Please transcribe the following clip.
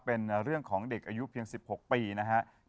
เป็นเรื่องของเด็กอายุเพียง๑๖ปีนะครับ